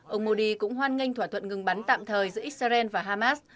ông modi cũng hoan nghênh thỏa thuận ngừng bắn tạm thời giữa israel và hamas